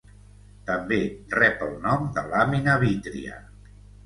També rep el nom de làmina vítria.